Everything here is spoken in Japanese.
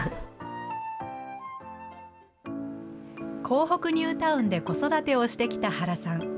港北ニュータウンで子育てをしてきた原さん。